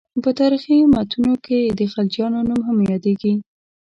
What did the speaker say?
په تاریخي متونو کې د خلجیانو نوم یادېږي.